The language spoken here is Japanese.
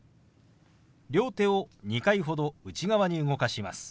両手を２回ほど内側に動かします。